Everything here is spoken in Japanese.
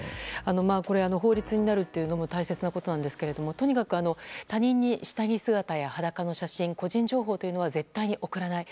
これ、法律になるというのも大切なことなんですがとにかく他人に下着姿や裸の写真個人情報というのは絶対に送らない。